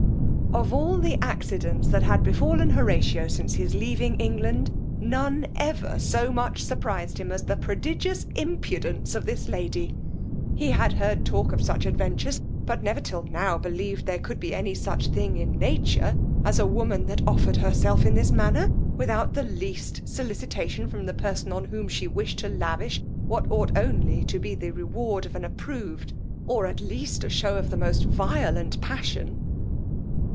Of all the accidents that had befallen Horatio since his leaving England, none ever so much surprized him as the prodigious impudence of this lady: he had heard talk of such adventures, but never till now believed there could be any such thing in nature, as a woman that offered herself in this manner, without the least sollicitation from the person on whom she wished to lavish what ought only to be the reward of an approved, or at least a shew of the most violent passion.